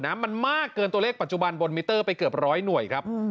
มากเกินตัวเลขปัจจุบันบนมิเตอร์ไปเกือบร้อยหน่วยครับ